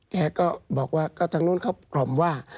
แกก็บอกว่าก็ทางนู้นเขากลมว่า